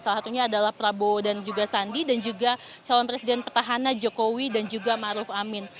salah satunya adalah prabowo dan juga sandi dan juga calon presiden petahana jokowi dan juga maruf amin